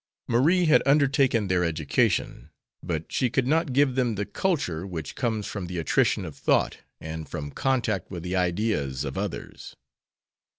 Marie had undertaken their education, but she could not give them the culture which comes from the attrition of thought, and from contact with the ideas of others.